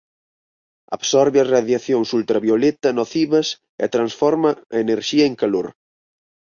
Absorbe as radiacións ultravioleta nocivas e transforma a enerxía en calor.